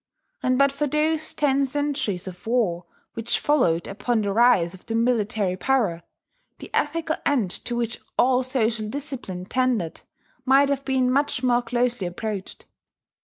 And but for those ten centuries of war which followed upon the rise of the military power, the ethical end to which all social discipline tended might have been much more closely approached.